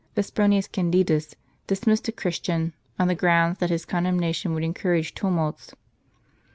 Vespronius Candidus dismissed a Christian, on the ground that his condemnation would encourage tumults.